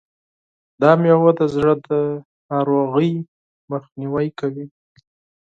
دا مېوه د زړه ناروغیو مخنیوی کوي.